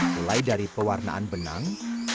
mulai dari pewarnaan benang